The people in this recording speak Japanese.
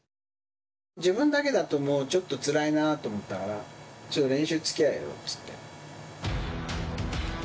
自分だけだともうちょっとつらいなと思ったから、ちょっと練習つきあえよっつって。